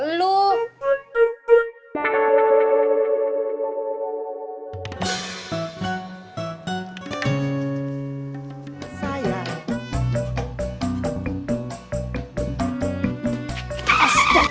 tapi lo bikin astaranya jangan segede gede jempol lo